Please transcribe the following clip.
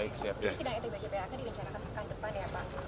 jadi sidang itb jp akan direncanakan pekan depan ya pak